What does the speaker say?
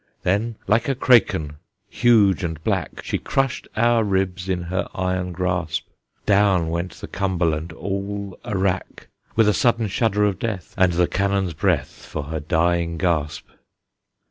Then, like a kraken huge and black, She crushed our ribs in her iron grasp! Down went the Cumberland all a wrack, With a sudden shudder of death, And the cannon's breath For her dying gasp.